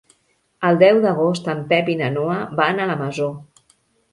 El deu d'agost en Pep i na Noa van a la Masó.